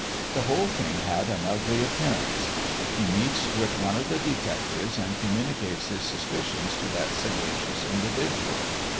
The whole thing had an ugly appearance. He meets with one of the detectives, and communicates his suspicions to that sagacious individual.